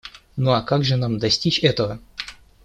Ну а как же нам достичь этого?